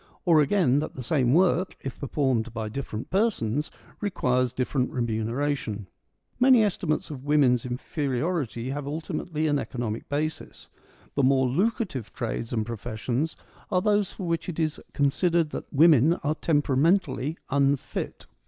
Or again, that the same work, if performed by different persons, requires different remuneration. Many estimates of women's inferiority have ultimately an economic basis. The more lucrative 188 FEMINISM IN GREEK LITERATURE trades and professions are those for which it is considered that women are temperamentally unfit.